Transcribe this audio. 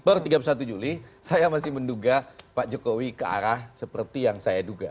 baru tiga puluh satu juli saya masih menduga pak jokowi ke arah seperti yang saya duga